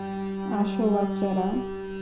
আসো, বাচ্চারা।